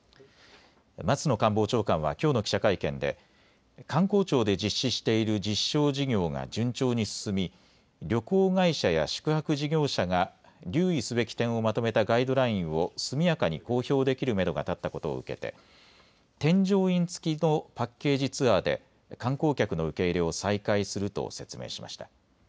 松野官房長官はきょうの記者会見で観光庁で実施している実証事業が順調に進み旅行会社や宿泊事業者が留意すべき点をまとめたガイドラインを速やかに公表できるめどが立ったことを受けて添乗員付きのパッケージツアーで観光客の受け入れを再開すると説明しました。